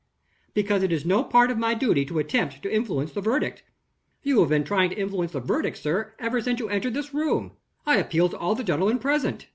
"Because it is no part of my duty to attempt to influence the verdict." "You have been trying to influence the verdict, sir, ever since you entered this room. I appeal to all the gentlemen present."